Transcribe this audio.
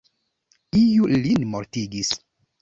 Iu lin mortigis!